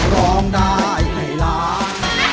ร้องได้ให้ล้าน